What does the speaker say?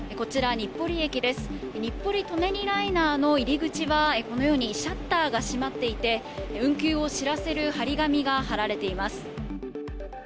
日暮里・舎人ライナーの入り口はこのようにシャッターが閉まっていて、運休を知らせる貼り紙が貼られています。